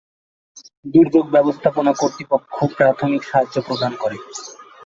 দুর্যোগ ব্যবস্থাপনা কর্তৃপক্ষ প্রাথমিক সাহায্য প্রদান করে।